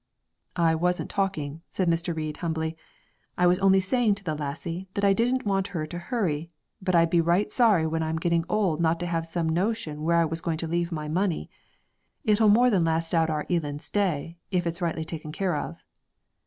'I wasn't talking,' said Mr. Reid humbly; 'I was only saying to the lassie that I didn't want her to hurry; but I'd be right sorry when I'm getting old not to have some notion where I was going to leave my money it'll more than last out Eelan's day, if it's rightly taken care of.'